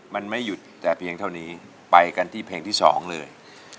มันไม่หยุดแต่เพียงเท่านี้ไปกันที่เพลงที่๒เลย